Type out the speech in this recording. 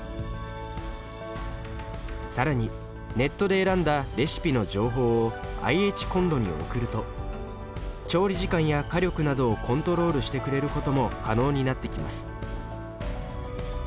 更にネットで選んだレシピの情報をＩＨコンロに送ると調理時間や火力などをコントロールしてくれることも可能になってきます。